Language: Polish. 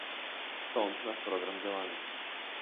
Stąd nasz program działania